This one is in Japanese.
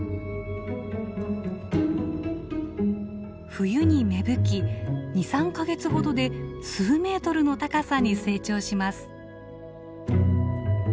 冬に芽吹き２３か月ほどで数メートルの高さに成長します。